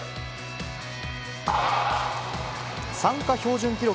参加標準記録